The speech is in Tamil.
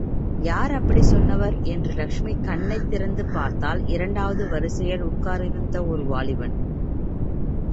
யார் அப்படிச் சொன்னவர் என்று லஷ்மி கண்ணைத் திறந்து பார்த்தாள் இரண்டாவது வரிசையில் உட்கார்ந்திருந்த ஒரு வாலிபன்.